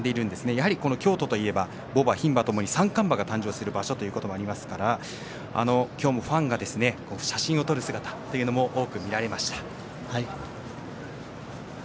やはり、京都といえば牡馬、牝馬ともに三冠馬が誕生する場所ということもありますから今日もファンが写真を撮る姿というのが多く見られました。